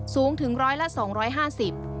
สูงถึง๑๐๐และ๒๕๐ปี